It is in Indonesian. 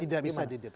tidak bisa didit